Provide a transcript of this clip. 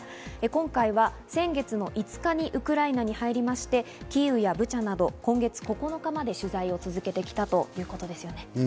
今回は先月の５日にウクライナに入りまして、ＥＵやブチャなど今月９日まで取材を続けてきたということです。